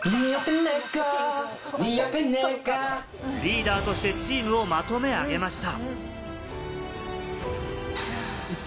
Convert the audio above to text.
リーダーとしてチームをまとめ上げました。